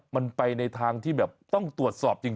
มันไปในทางที่แบบต้องตรวจสอบจริง